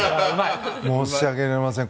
申し訳ありません。